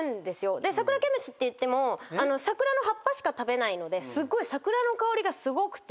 でサクラケムシっていっても桜の葉っぱしか食べないので桜の香りがすごくて。